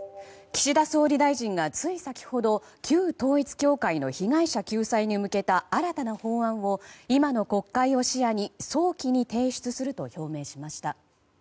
岸田総理大臣がつい先ほど旧統一教会の被害者救済に向けた新たな法案を今の国会を視野に早期に提出すると表明しました。